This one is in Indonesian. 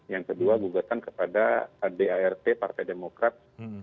yang kedua gugatan kepada dart partai demokrat